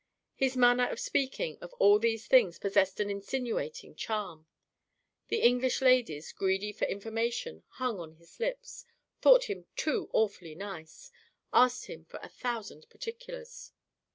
His manner of speaking of all these things possessed an insinuating charm: the English ladies, greedy for information, hung on his lips, thought him too awfully nice, asked him for a thousand particulars.